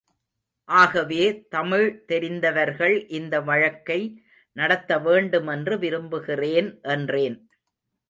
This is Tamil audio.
ஆகவே தமிழ் தெரிந்தவர்கள் இந்த வழக்கை நடத்தவேண்டுமென்று விரும்புகிறேன் என்றேன்.